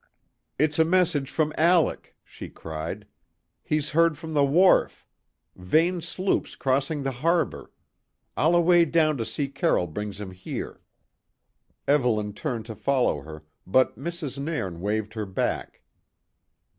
"It's a message from Alec," she cried. "He's heard from the wharf: Vane's sloop's crossing the harbour. I'll away down to see Carroll brings him here." Evelyn turned to follow her, but Mrs. Nairn waved her back.